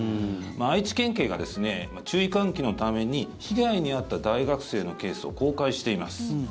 愛知県警がですね注意喚起のために被害に遭った大学生のケースを公開しています。